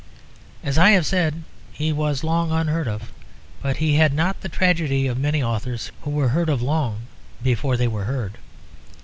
As I have said he was long unheard of; but he had not the tragedy of many authors, who were heard of long before they were heard.